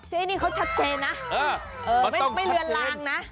ที่นี่เขาชัดเจนนะไม่ต้องไปเลือนลางนะ